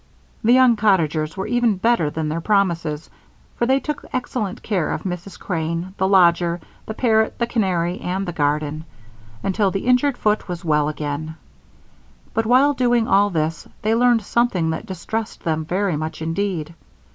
The young cottagers were even better than their promises, for they took excellent care of Mrs. Crane, the lodgers, the parrot, the canary, and the garden, until the injured foot was well again; but while doing all this they learned something that distressed them very much, indeed.